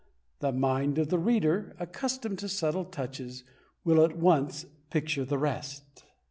The mind of the reader accustomed to subtle touches will at once picture the rest.